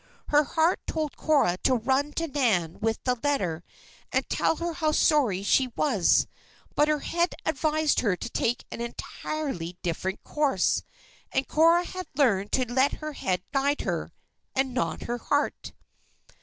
Her heart told Cora to run to Nan with the letter and tell her how sorry she was; but her head advised her to take an entirely different course. And Cora had learned to let her head guide her, and not her heart.